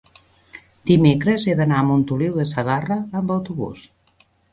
dimecres he d'anar a Montoliu de Segarra amb autobús.